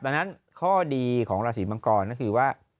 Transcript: ดังนั้นข้อดีของราศีมังกรก็คือว่า